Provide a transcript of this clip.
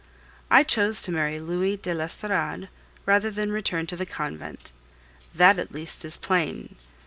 I chose to marry Louis de l'Estorade rather than return to the convent; that at least is plain.